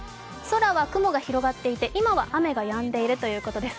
空は雲が広がっていて、今は雨がやんでいるということです。